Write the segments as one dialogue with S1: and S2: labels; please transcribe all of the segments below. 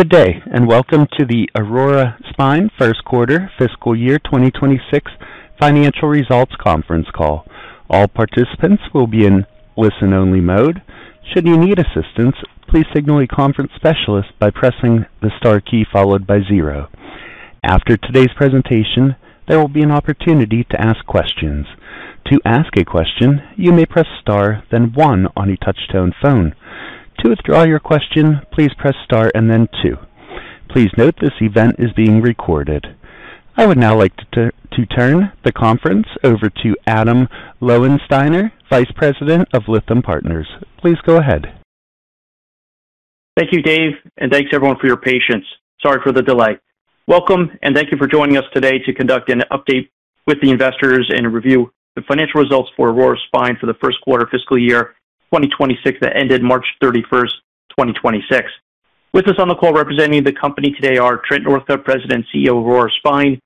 S1: Good day, and welcome to the Aurora Spine First Quarter Fiscal Year 2026 Financial Results Conference Call. All participants will be in listen-only mode. Should you need assistance, please signal a conference specialist by pressing the star key followed by zero. After today's presentation, there will be an opportunity to ask questions. To ask a question, you may press star then one on your touch-tone phone. To withdraw your question, please press star and then two. Please note this event is being recorded. I would now like to turn the conference over to Adam Lowensteiner, Vice President of Lytham Partners. Please go ahead.
S2: Thank you, Dave, and thanks, everyone, for your patience. Sorry for the delay. Welcome, and thank you for joining us today to conduct an update with the investors and review the financial results for Aurora Spine for the first quarter of fiscal year 2026 that ended March 31st, 2026. With us on the call representing the company today are Trent Northcutt, President and CEO of Aurora Spine,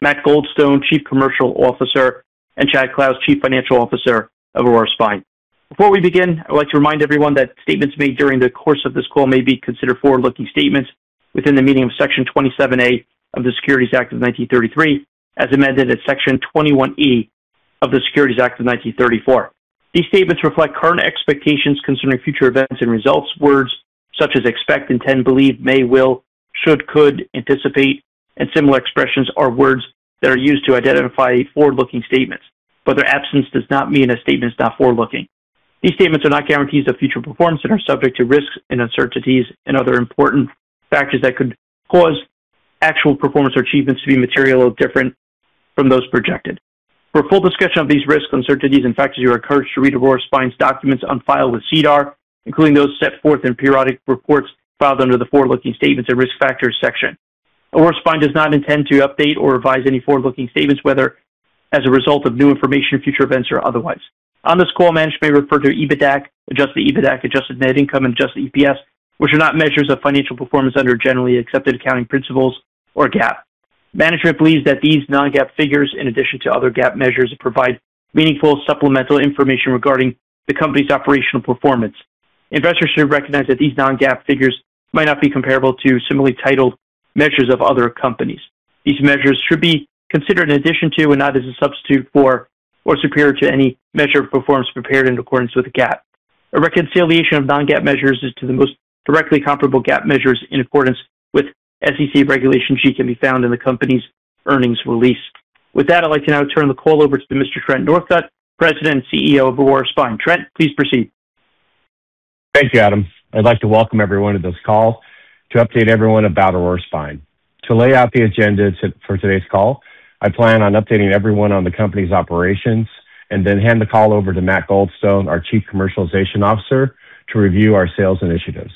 S2: Matthew Goldstone, Chief Commercial Officer, and Chad Clouse, Chief Financial Officer of Aurora Spine. Before we begin, I would like to remind everyone that statements made during the course of this call may be considered forward-looking statements within the meaning of Section 27A of the Securities Act of 1933, as amended at Section 21E of the Securities Exchange Act of 1934. These statements reflect current expectations concerning future events and results. Words such as expect, intend, believe, may, will, should, could, anticipate, and similar expressions are words that are used to identify forward-looking statements, but their absence does not mean a statement is not forward-looking. These statements are not guarantees of future performance and are subject to risks and uncertainties and other important factors that could cause actual performance or achievements to be materially different from those projected. For a full discussion of these risks, uncertainties, and factors, you are encouraged to read Aurora Spine's documents on file with SEDAR, including those set forth in periodic reports filed under the Forward-Looking Statements and Risk Factors section. Aurora Spine does not intend to update or revise any forward-looking statements, whether as a result of new information, future events, or otherwise. On this call, management may refer to EBITDAC, adjusted EBITDAC, adjusted net income, and adjusted EPS, which are not measures of financial performance under generally accepted accounting principles or GAAP. Management believes that these non-GAAP figures, in addition to other GAAP measures, provide meaningful supplemental information regarding the company's operational performance. Investors should recognize that these non-GAAP figures might not be comparable to similarly titled measures of other companies. These measures should be considered in addition to, and not as a substitute for or superior to any measure of performance prepared in accordance with GAAP. A reconciliation of non-GAAP measures as to the most directly comparable GAAP measures in accordance with SEC Regulation G can be found in the company's earnings release. With that, I'd like to now turn the call over to Mr. Trent Northcutt, President and CEO of Aurora Spine. Trent, please proceed.
S3: Thank you, Adam. I'd like to welcome everyone to this call to update everyone about Aurora Spine. To lay out the agenda for today's call, I plan on updating everyone on the company's operations and then handing the call over to Matt Goldstone, our Chief Commercial Officer, to review our sales initiatives.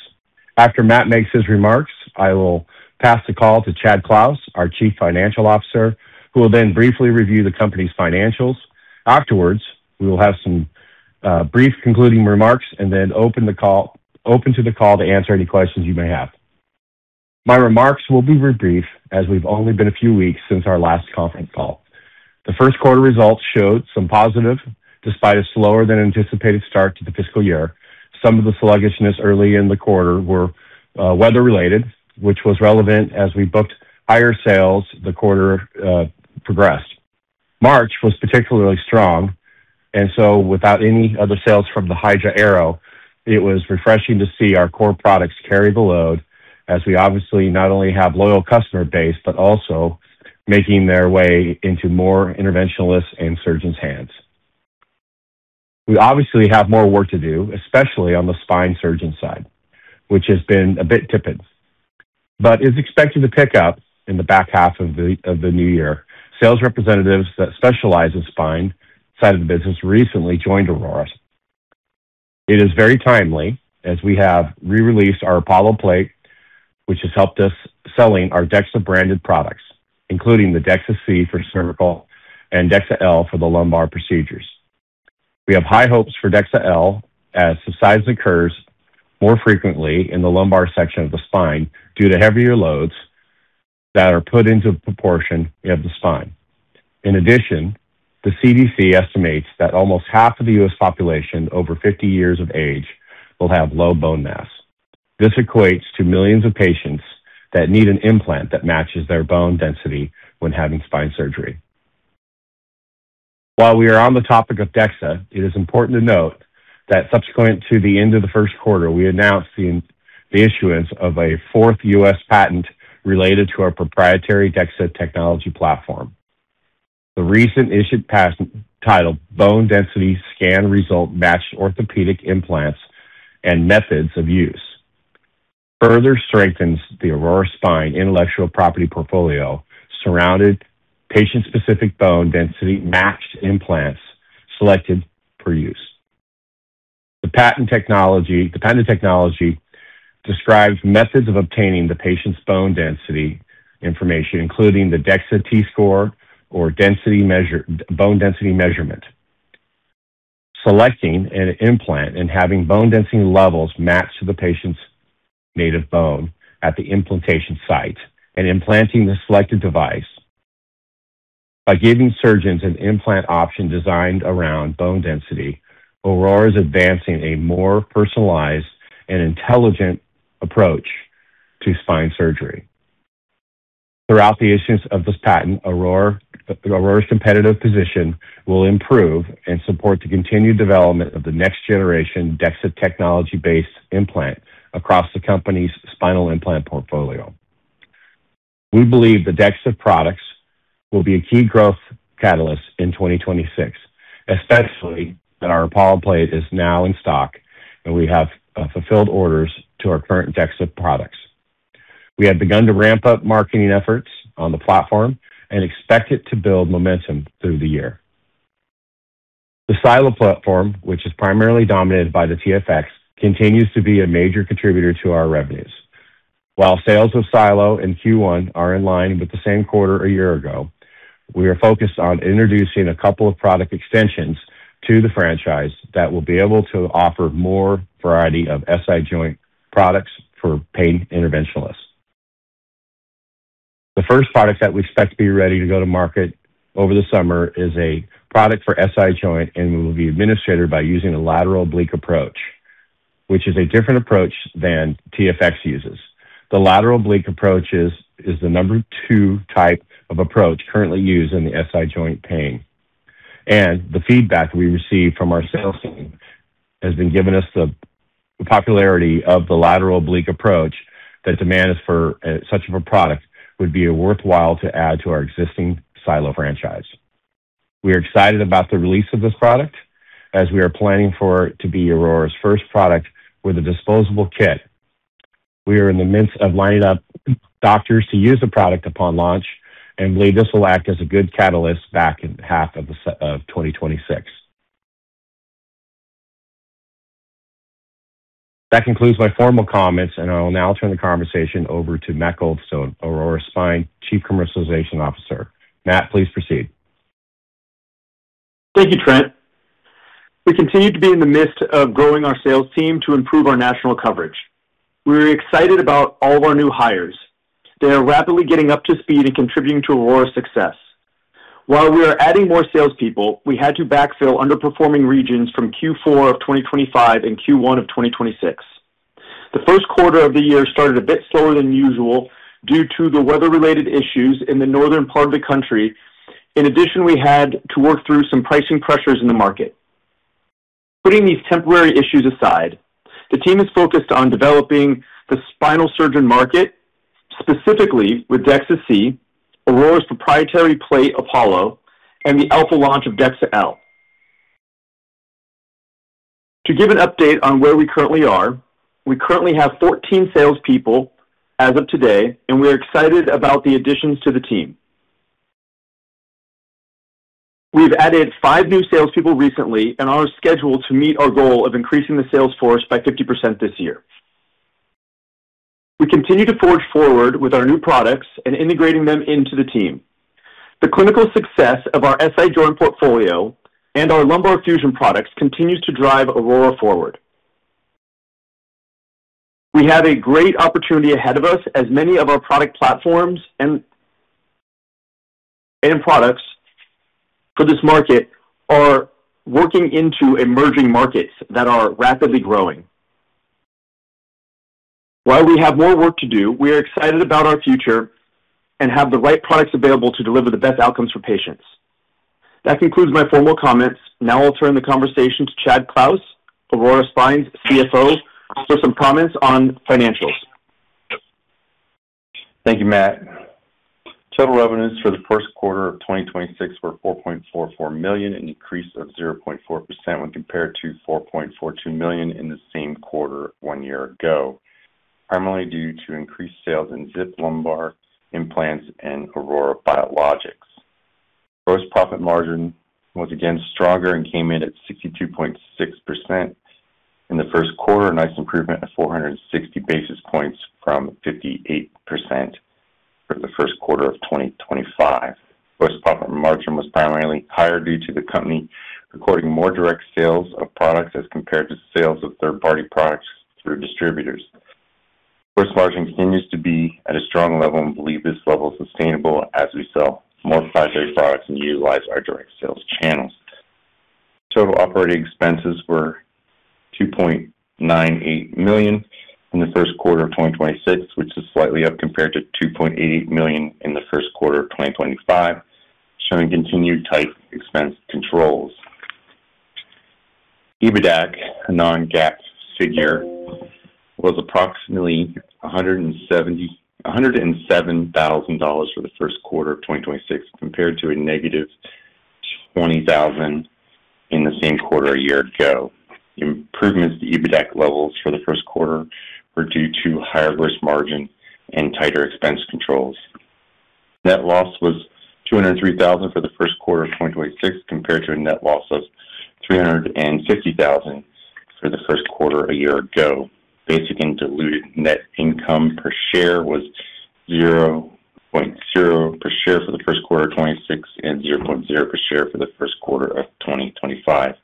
S3: After Matt makes his remarks, I will pass the call to Chad Clouse, our Chief Financial Officer, who will then briefly review the company's financials. Afterwards, we will have some brief concluding remarks and then open the call to answer any questions you may have. My remarks will be very brief, as we've only been a few weeks since our last conference call. The first quarter results showed some positive despite a slower-than-anticipated start to the fiscal year. Some of the sluggishness early in the quarter was weather-related, which was relevant as we booked higher sales as the quarter progressed. March was particularly strong, without any other sales from the Hydra A.E.R.O., it was refreshing to see our core products carry the load, as we obviously not only have a loyal customer base but are also making their way into more interventionalists' and surgeons' hands. We obviously have more work to do, especially on the spine surgeon side, which has been a bit tipping but is expected to pick up in the back half of the new year. Sales representatives that specialize in the spine side of the business recently joined Aurora Spine. It is very timely, as we have re-released our Apollo plate, which has helped us sell our DEXA-branded products, including the DEXA-C for cervical and DEXA-L for the lumbar procedures. We have high hopes for DEXA-L, as the size occurs more frequently in the lumbar section of the spine due to heavier loads that are put into proportion with the spine. In addition, the CDC estimates that almost half of the U.S. population over 50 years of age will have low bone mass. This equates to millions of patients that need an implant that matches their bone density when having spine surgery. While we are on the topic of DEXA, it is important to note that subsequent to the end of the first quarter, we announced the issuance of a fourth U.S. patent related to our proprietary DEXA Technology platform. The recently issued patent, titled Bone Density Scan Result-Matched Orthopedic Implants and Methods of Use, further strengthens the Aurora Spine intellectual property portfolio, surrounding patient-specific bone density-matched implants selected for use. The patented technology describes methods of obtaining the patient's bone density information, including the DEXA T-score or bone density measurement. Selecting an implant and having bone density levels matched to the patient's native bone at the implantation site and implanting the selected device. By giving surgeons an implant option designed around bone density, Aurora is advancing a more personalized and intelligent approach to spine surgery. Throughout the issuance of this patent, Aurora's competitive position will improve and support the continued development of the next-generation DEXA Technology-based implant across the company's spinal implant portfolio. We believe the DEXA products will be a key growth catalyst in 2026, especially since our Apollo plate is now in stock and we have fulfilled orders for our current DEXA products. We have begun to ramp up marketing efforts on the platform and expect it to build momentum through the year. The SiLO platform, which is primarily dominated by the TFX, continues to be a major contributor to our revenues. While sales of SiLO in Q1 are in line with the same quarter a year ago, we are focused on introducing a couple of product extensions to the franchise that will be able to offer more variety of SI joint products for pain interventionalists. The first product that we expect to be ready to go to market over the summer is a product for the SI joint, which will be administered by using a lateral oblique approach, which is a different approach than TFX uses. The lateral oblique approach is the number two type of approach currently used for SI joint pain. The feedback we received from our sales team has been giving us the popularity of the lateral oblique approach, so demand for such a product would make it worthwhile to add to our existing SiLO franchise. We are excited about the release of this product, as we are planning for it to be Aurora's first product with a disposable kit. We are in the midst of lining up doctors to use the product upon launch and believe this will act as a good catalyst in the second half of 2026. That concludes my formal comments. I will now turn the conversation over to Matt Goldstone, Aurora Spine Chief Commercial Officer. Matt, please proceed.
S4: Thank you, Trent. We continue to be in the midst of growing our sales team to improve our national coverage. We're excited about all of our new hires. They are rapidly getting up to speed and contributing to Aurora's success. While we are adding more salespeople, we had to backfill underperforming regions from Q4 of 2025 and Q1 of 2026. The first quarter of the year started a bit slower than usual due to the weather-related issues in the northern part of the country. In addition, we had to work through some pricing pressures in the market. Putting these temporary issues aside, the team is focused on developing the spinal surgeon market, specifically with DEXA-C, Aurora's proprietary Apollo plate, and the alpha launch of DEXA-L. To give an update on where we currently are, we currently have 14 salespeople as of today, and we're excited about the additions to the team. We've added five new salespeople recently and are scheduled to meet our goal of increasing the sales force by 50% this year. We continue to forge forward with our new products and integrating them into the team. The clinical success of our SI joint portfolio and our lumbar fusion products continues to drive Aurora forward. We have a great opportunity ahead of us, as many of our product platforms and products for this market are working into emerging markets that are rapidly growing. While we have more work to do, we are excited about our future and have the right products available to deliver the best outcomes for patients. That concludes my formal comments. Now I'll turn the conversation to Chad Clouse, Aurora Spine's CFO, for some comments on financials.
S5: Thank you, Matt. Total revenues for the first quarter of 2026 were $4.44 million, an increase of 0.4% when compared to $4.42 million in the same quarter one year ago, primarily due to increased sales in ZIP lumbar implants and Aurora Biologics. Gross profit margin was again stronger and came in at 62.6% in the first quarter, a nice improvement of 460 basis points from 58% for the first quarter of 2025. Gross profit margin was primarily higher due to the company recording more direct sales of products as compared to sales of third-party products through distributors. Gross margin continues to be at a strong level, and we believe this level is sustainable as we sell more proprietary products and utilize our direct sales channels. Total operating expenses were $2.98 million in the first quarter of 2026, which is slightly up compared to $2.88 million in the first quarter of 2025, showing continued tight expense controls. EBITDAC, a non-GAAP figure, was approximately $107,000 for the first quarter of 2026, compared to a negative $20,000 in the same quarter a year ago. Improvements to EBITDAC levels for the first quarter were due to higher gross margin and tighter expense controls. Net loss was $203,000 for the first quarter of 2026, compared to a net loss of $350,000 for the first quarter a year ago. Basic and diluted net income per share was $0.0 per share for the first quarter 2026 and $0.0 per share for the first quarter of 2025.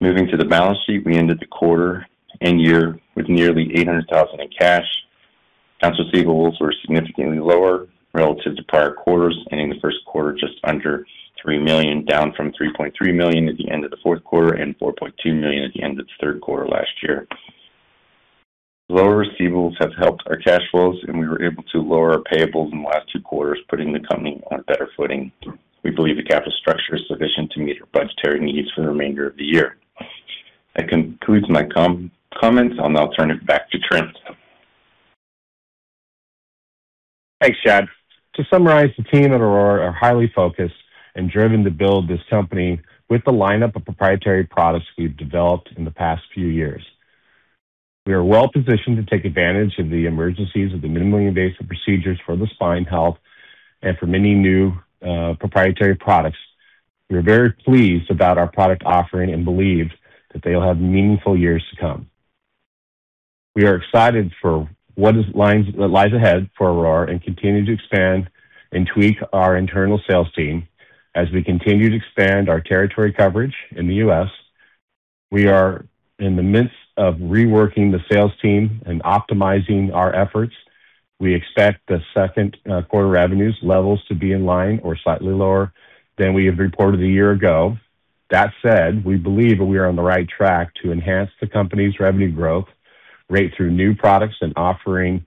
S5: Moving to the balance sheet, we ended the quarter and year with nearly $800,000 in cash. Accounts receivables were significantly lower relative to prior quarters, ending the first quarter just under $3 million, down from $3.3 million at the end of the fourth quarter and $4.2 million at the end of the third quarter last year. Lower receivables have helped our cash flows, and we were able to lower our payables in the last two quarters, putting the company on a better footing. We believe the capital structure is sufficient to meet our budgetary needs for the remainder of the year. That concludes my comments. I'll now turn it back to Trent.
S3: Thanks, Chad. To summarize, the team at Aurora is highly focused and driven to build this company with the lineup of proprietary products we've developed in the past few years. We are well-positioned to take advantage of the emergence of the minimally invasive procedures for spine health and for many new proprietary products. We are very pleased about our product offering and believe that they'll have meaningful years to come. We are excited for what lies ahead for Aurora and continue to expand and tweak our internal sales team as we continue to expand our territory coverage in the U.S. We are in the midst of reworking the sales team and optimizing our efforts. We expect the second quarter revenue levels to be in line or slightly lower than we reported a year ago. That said, we believe we are on the right track to enhance the company's revenue growth rate through new products and offering,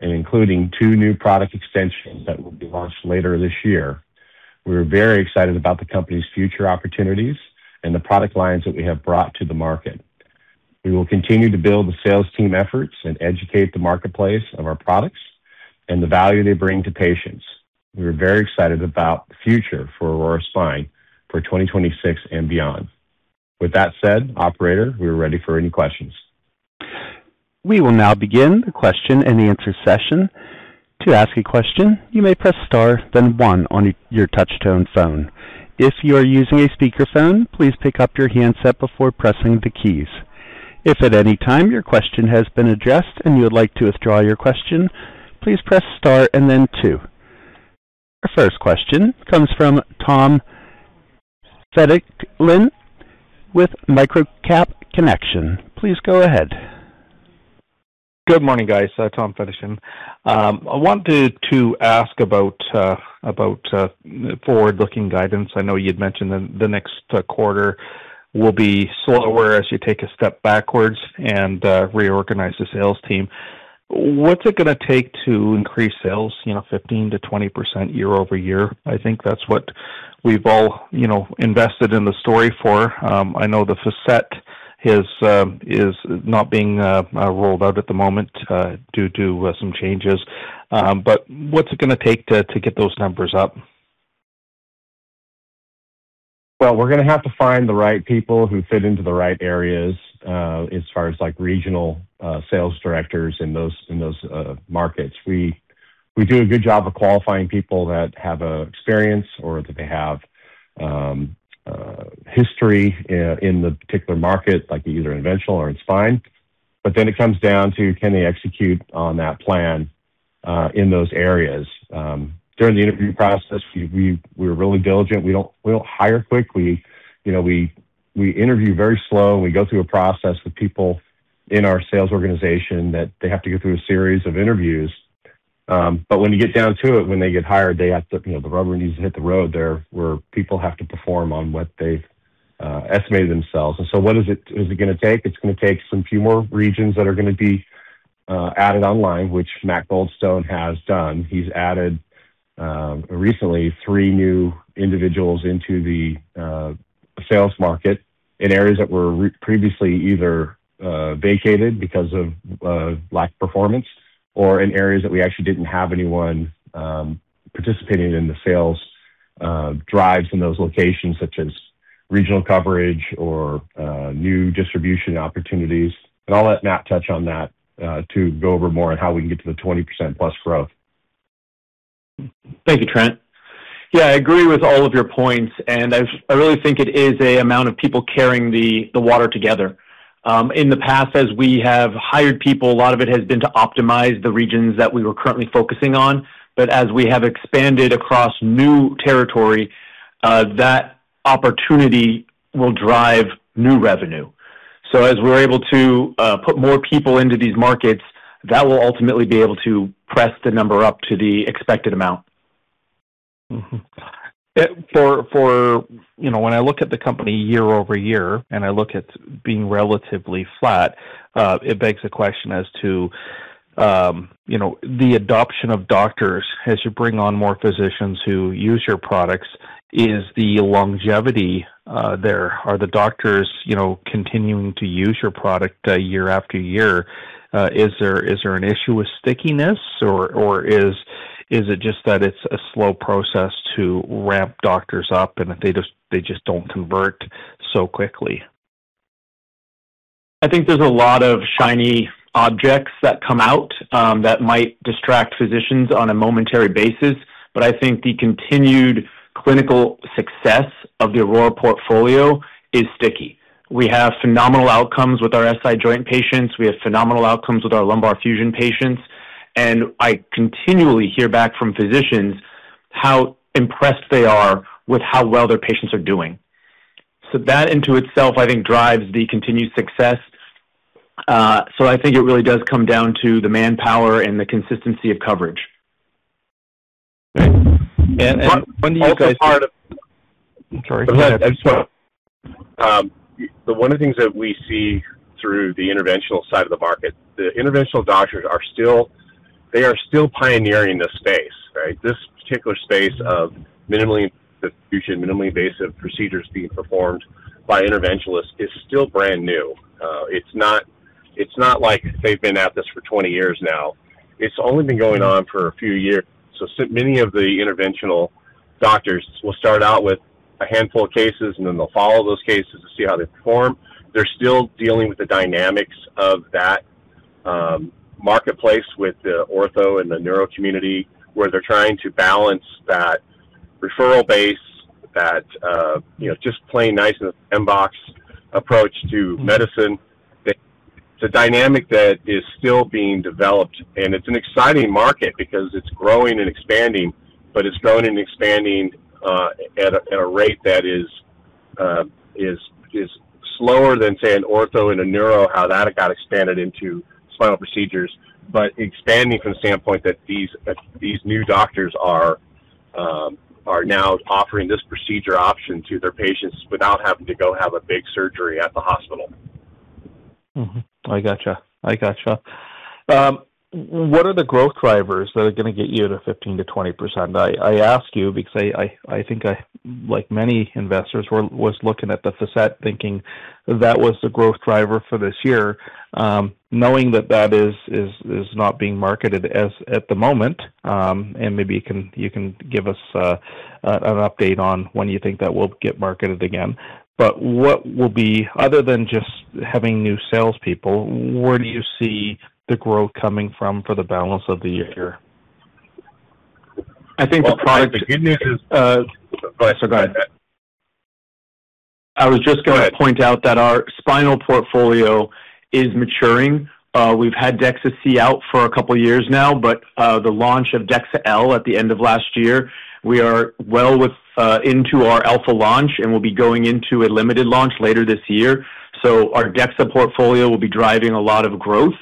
S3: and including two new product extensions that will be launched later this year. We're very excited about the company's future opportunities and the product lines that we have brought to the market. We will continue to build the sales team's efforts and educate the marketplace on our products and the value they bring to patients. We are very excited about the future for Aurora Spine for 2026 and beyond. With that said, operator, we are ready for any questions.
S1: We will now begin the question-and-answer session. To ask a question, you may press star, then one on your touch-tone phone. If you are using a speakerphone, please pick up your handset before pressing the keys. If at any time your question has been addressed and you would like to withdraw your question, please press the star and then two. Our first question comes from Tom Fedichin with Microcap Connection. Please go ahead.
S6: Good morning, guys. Tom Fedichin. I wanted to ask about forward-looking guidance. I know you'd mentioned the next quarter will be slower as you take a step backwards and reorganize the sales team. What's it going to take to increase sales 15%-20% year-over-year? I think that's what we've all invested in the story for. I know the facet is not being rolled out at the moment due to some changes. What's it going to take to get those numbers up?
S3: Well, we're going to have to find the right people who fit into the right areas as far as regional sales directors in those markets. We do a good job of qualifying people that have experience or that have history in the particular market, like either interventional or in spine. It comes down to can they execute on that plan in those areas. During the interview process, we're really diligent. We don't hire quick. We interview very slowly. We go through a process with people in our sales organization that they have to go through a series of interviews. When you get down to it, when they get hired, the rubber needs to hit the road there, where people have to perform on what they've estimated themselves. What is it going to take? It's going to take a few more regions that are going to be added online, which Matt Goldstone has done. He's recently added three new individuals into the sales market in areas that were previously either vacated because of lack of performance or in areas that we actually didn't have anyone participating in the sales drives in those locations, such as regional coverage or new distribution opportunities. I'll let Matt touch on that to go over more on how we can get to the +20% growth.
S4: Thank you, Trent. Yeah, I agree with all of your points. I really think it is a matter of people carrying the water together. In the past, as we have hired people, a lot of it has been to optimize the regions that we were currently focusing on. As we have expanded across new territory, that opportunity will drive new revenue. As we're able to put more people into these markets, that will ultimately be able to press the number up to the expected amount.
S6: When I look at the company year-over-year and I look at being relatively flat, it begs the question as to the adoption of doctors as you bring on more physicians who use your products. Is the longevity there? Are the doctors continuing to use your product year after year? Is there an issue with stickiness, or is it just that it's a slow process to ramp doctors up and that they just don't convert so quickly?
S4: I think there are a lot of shiny objects that come out that might distract physicians on a momentary basis, but I think the continued clinical success of the Aurora portfolio is sticky. We have phenomenal outcomes with our SI joint patients. We have phenomenal outcomes with our lumbar fusion patients, and I continually hear back from physicians. How impressed they are with how well their patients are doing. That in itself, I think, drives the continued success. I think it really does come down to the manpower and the consistency of coverage.
S6: Right. When do you guys—
S3: Also part of
S6: Sorry, go ahead.
S3: One of the things that we see through the interventional side of the market is that the interventional doctors are still pioneering this space, right? This particular space of minimally invasive procedures being performed by interventionalists is still brand new. It's not like they've been at this for 20 years now. It's only been going on for a few years. Many of the interventional doctors will start out with a handful of cases, and then they'll follow those cases to see how they perform. They're still dealing with the dynamics of that marketplace with the ortho and the neuro community, where they're trying to balance that referral base, that just plain nice and inbox approach to medicine. It's a dynamic that is still being developed, and it's an exciting market because it's growing and expanding, but it's growing and expanding at a rate that is slower than, say, an ortho and a neuro, how that got expanded into spinal procedures. Expanding from the standpoint that these new doctors are now offering this procedure option to their patients without having to go have a big surgery at the hospital.
S6: I got you. What are the growth drivers that are going to get you to 15%-20%? I ask you because I think I, like many investors, was looking at the facet, thinking that was the growth driver for this year. Knowing that is not being marketed as at the moment, maybe you can give us an update on when you think that will get marketed again. What will be, other than just having new salespeople, where do you see the growth coming from for the balance of the year?
S4: I think the product—
S3: The good news is—Go ahead. Sorry. Go ahead.
S4: I was just going to point out that our spinal portfolio is maturing. We've had DEXA-C out for a couple of years now. The launch of DEXA-L at the end of last year: we are well into our alpha launch, and we'll be going into a limited launch later this year. Our DEXA portfolio will be driving a lot of growth,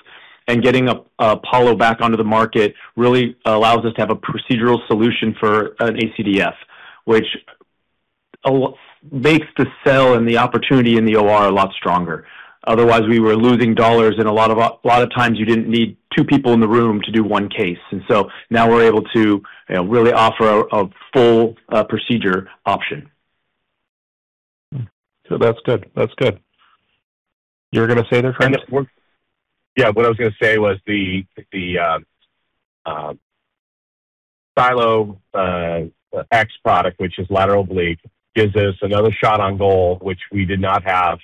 S4: and getting Apollo back onto the market really allows us to have a procedural solution for an ACDF, which makes the sale and the opportunity in the OR a lot stronger. Otherwise, we were losing money, and a lot of times you didn't need two people in the room to do one case. Now we're able to really offer a full procedure option.
S6: That's good. You were going to say something?
S3: Yeah, what I was going to say was the SiLO X product, which is lateral oblique, gives us another shot on goal, which we did not have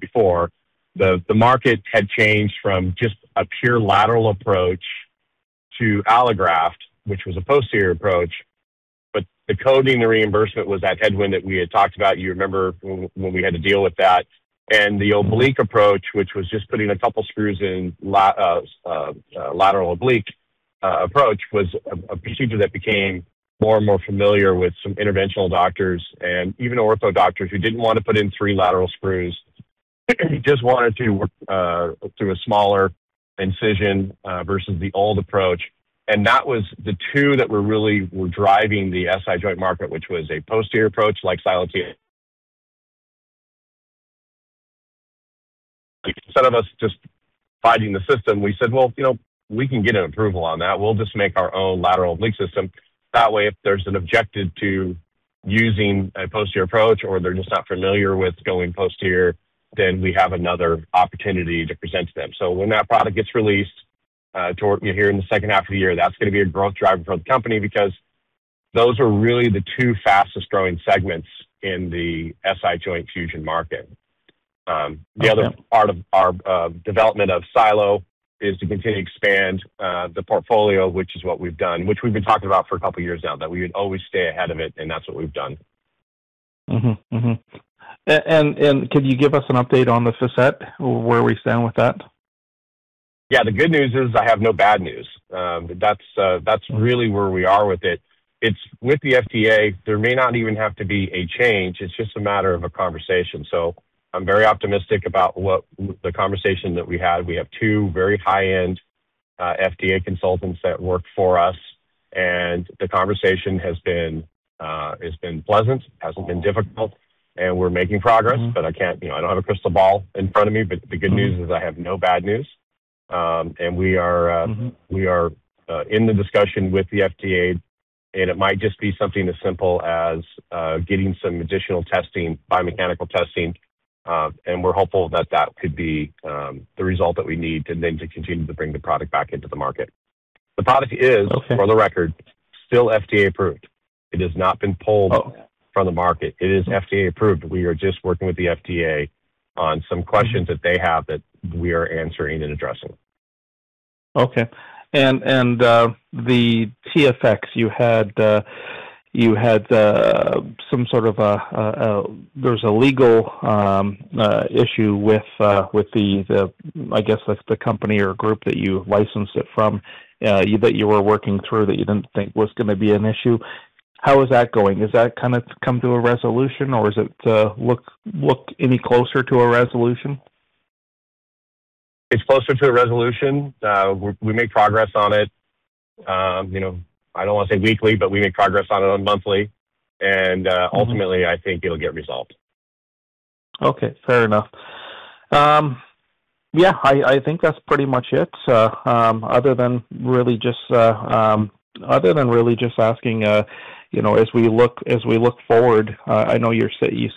S3: before. The market had changed from just a pure lateral approach to allograft, which was a posterior approach, but the coding and the reimbursement were that headwind that we had talked about, you remember when we had to deal with that. The oblique approach, which was just putting in a couple of screws, the lateral oblique approach, was a procedure that became more and more familiar with some interventional doctors and even ortho doctors who didn't want to put in three lateral screws, just wanted to work through a smaller incision versus the old approach. Those were the two that were really driving the SI joint market, which was a posterior approach like SiLO-TFX. Instead of us just fighting the system, we said, Well, we can get an approval on that. We'll just make our own lateral oblique system. That way, if there's an objective to using a posterior approach or they're just not familiar with going posterior, then we have another opportunity to present to them. When that product gets released here in the second half of the year, that's going to be a growth driver for the company because those are really the two fastest-growing segments in the SI joint fusion market.
S6: Okay.
S3: The other part of our development of SiLO is to continue to expand the portfolio, which is what we've done, which we've been talking about for a couple of years now, that we would always stay ahead of it, and that's what we've done.
S6: Mm-hmm. Could you give us an update on the facet? Where are we standing with that?
S3: Yeah. The good news is I have no bad news. That's really where we are with it. It's with the FDA. There may not even have to be a change. It's just a matter of a conversation. I'm very optimistic about the conversation that we had. We have two very high-end FDA consultants that work for us, and the conversation has been pleasant, hasn't been difficult, and we're making progress. I don't have a crystal ball in front of me. The good news is I have no bad news. We are in discussion with the FDA, and it might just be something as simple as getting some additional testing, biomechanical testing. We're hopeful that could be the result that we need to then continue to bring the product back into the market.
S6: Okay
S3: For the record, still FDA approved. It has not been pulled.
S6: Oh
S3: from the market. It is FDA approved. We are just working with the FDA on some questions that they have that we are answering and addressing.
S6: Okay. The TFX you had some sort of a legal issue with, I guess that's the company or group that you licensed it from, that you were working through that you didn't think was going to be an issue. How is that going? Has that come to a resolution, or does it look any closer to a resolution?
S3: It's closer to a resolution. We make progress on it. I don't want to say weekly, but we make progress on it monthly. Ultimately, I think it'll get resolved.
S6: Okay, fair enough. Yeah, I think that's pretty much it, other than really just asking, as we look forward, I know you say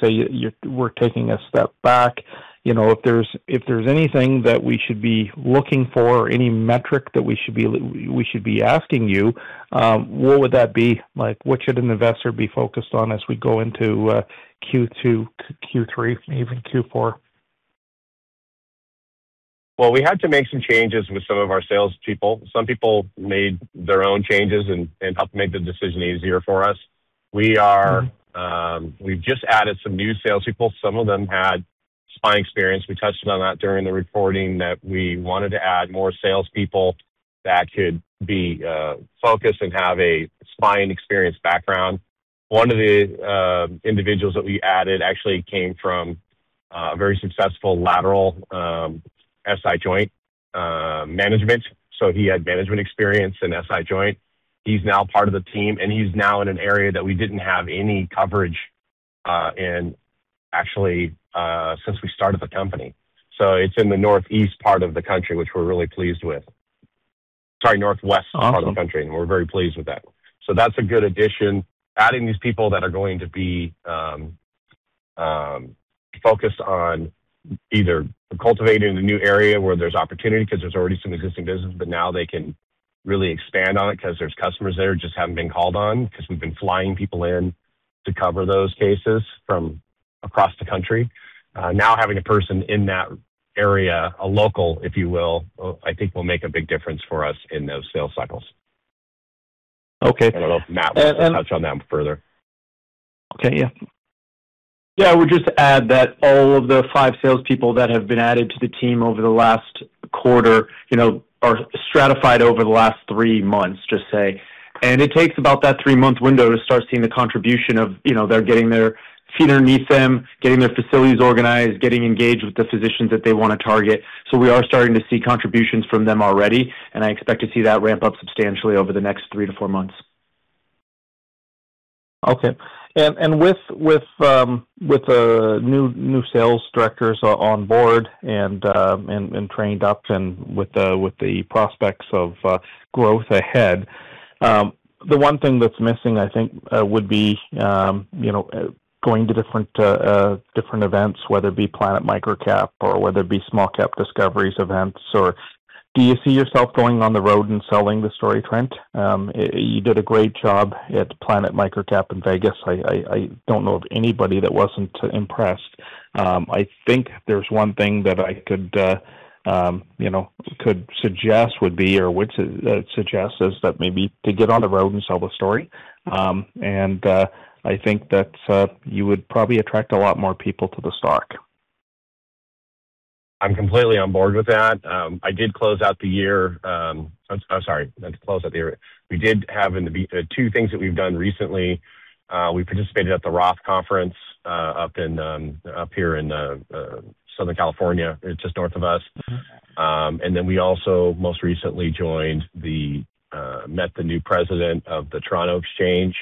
S6: we're taking a step back. If there's anything that we should be looking for or any metric that we should be asking you, what would that be? What should an investor be focused on as we go into Q2 to Q3, even Q4?
S3: Well, we had to make some changes with some of our salespeople. Some people made their own changes and helped make the decision easier for us. We've just added some new salespeople. Some of them had spine experience. We touched on that during the reporting that we wanted to add more salespeople that could be focused and have a strong experience background. One of the individuals that we added actually came from a very successful lateral SI joint management. He had management experience in the SI joint. He's now part of the team, and he's now in an area that we didn't have any coverage in, actually, since we started the company. It's in the northeast part of the country, which we're really pleased with. Sorry, northwest part of the country, and we're very pleased with that. That's a good addition. Adding these people that are going to be focused on either cultivating the new area where there's opportunity because there's already some existing business, but now they can really expand on it because there are customers there that just haven't been called on because we've been flying people in to cover those cases from across the country. Now having a person in that area, a local, if you will, I think will make a big difference for us in those sales cycles.
S6: Okay.
S3: I don't know if Matt wants to touch on that further.
S6: Okay, yeah.
S4: Yeah. I would just add that all of the five salespeople that have been added to the team over the last quarter are stratified over the last three months, just say. It takes about that three-month window to start seeing the contribution of their getting their feet underneath them, getting their facilities organized, and getting engaged with the physicians that they want to target. We are starting to see contributions from them already, and I expect to see that ramp up substantially over the next three to four months.
S6: Okay. With new sales directors on board and trained up and with the prospects of growth ahead, the one thing that's missing, I think, would be going to different events, whether it be Planet MicroCap or whether it be SmallCap Discoveries events. Do you see yourself going on the road and selling the story, Trent? You did a great job at Planet MicroCap in Vegas. I don't know of anybody that wasn't impressed. I think there's one thing that I would suggest is maybe to get on the road and sell the story. I think that you would probably attract a lot more people to the stock.
S3: I'm completely on board with that. I'm sorry not to close out the year. We did have two things that we've done recently. We participated at the ROTH Conference up here in Southern California. It's just north of us. We also most recently met the new president of the Toronto Exchange,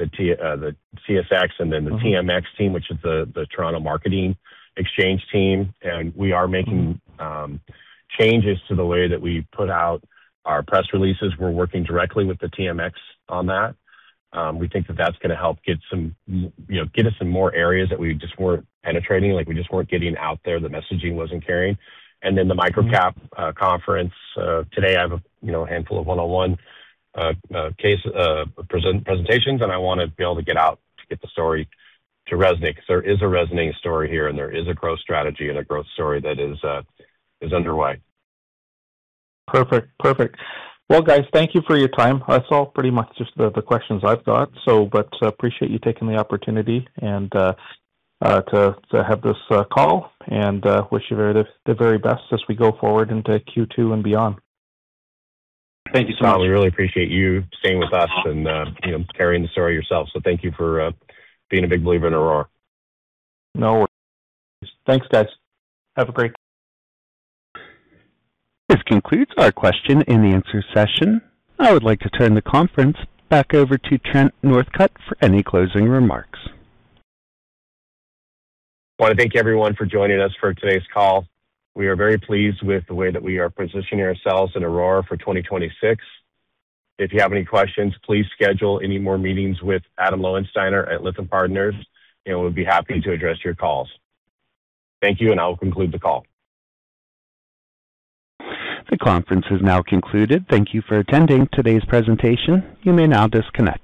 S3: the CSE, and then the TMX team, which is the Toronto Marketing Exchange team. We are making changes to the way that we put out our press releases. We're working directly with the TMX on that. We think that that's going to help get us in more areas that we just weren't penetrating, like we just weren't getting out there, the messaging wasn't carrying. The MicroCap conference. Today I have a handful of one-on-one presentations, and I want to be able to get out to get the story to resonate, because there is a resonating story here, and there is a growth strategy and a growth story that is underway.
S6: Perfect. Well, guys, thank you for your time. That's all pretty much just the questions I've got. Appreciate you taking the opportunity to have this call, and I wish you the very best as we go forward into Q2 and beyond.
S3: Thank you so much. We really appreciate you staying with us and carrying the story yourself. Thank you for being a big believer in Aurora.
S6: No worries. Thanks, guys. Have a great day.
S1: This concludes our question-and-answer session. I would like to turn the conference back over to Trent Northcutt for any closing remarks.
S3: I want to thank everyone for joining us for today's call. We are very pleased with the way that we are positioning ourselves in Aurora for 2026. If you have any questions, please schedule any more meetings with Adam Lowensteiner or at Lytham Partners, and we'll be happy to address your calls. Thank you, and I will conclude the call.
S1: The conference is now concluded. Thank you for attending today's presentation. You may now disconnect.